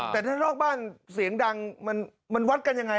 แต่ถ้านอกบ้านเสียงดังมันวัดกันยังไง